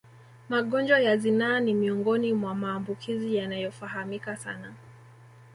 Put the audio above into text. Magonjwa ya zinaa ni miongoni mwa maambukizi yanayofahamika sana